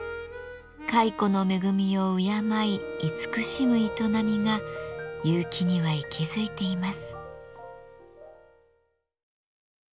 蚕の恵みを敬い慈しむ営みが結城には息づいています。